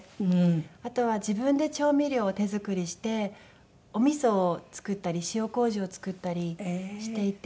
あとは自分で調味料を手作りしてお味噌を作ったり塩麹を作ったりしていて。